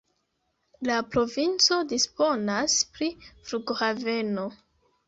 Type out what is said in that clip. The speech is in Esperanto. La provinco disponas pri flughaveno.